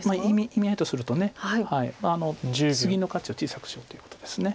意味合いとするとツギの価値を小さくしようということです。